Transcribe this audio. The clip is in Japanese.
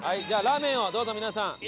じゃあラーメンをどうぞ皆さん。